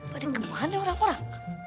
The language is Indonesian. pada kebahan ada orang orang